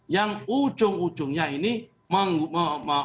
yang ujung ujungnya itu membuat pengusaha